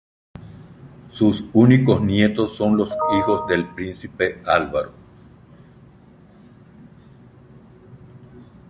Sus únicos nietos son los hijos del príncipe Álvaro.